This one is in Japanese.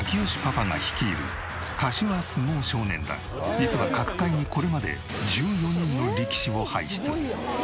実は角界にこれまで１４人の力士を輩出。